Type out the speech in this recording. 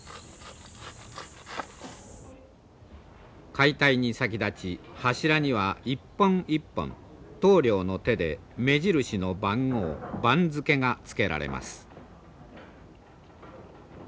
解体に先立ち柱には一本一本棟梁の手で目印の番号番付がつけられます。